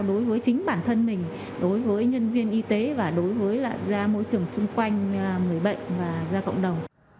đối với chính bản thân mình đối với nhân viên y tế và đối với ra môi trường xung quanh người bệnh và ra cộng đồng